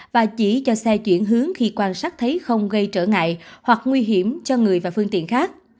và chỉ cho xe chuyển hướng khi quan sát thấy không gây trở ngại hoặc nguy hiểm cho người và phương tiện khác